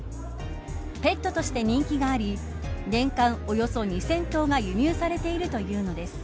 ペットとして人気があり年間およそ２０００頭が輸入されているというのです。